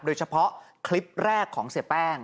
โดยเฉพาะคลิปแรกของเสียแป้ง